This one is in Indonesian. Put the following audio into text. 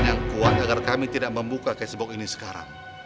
yang kuat agar kami tidak membuka cashbook ini sekarang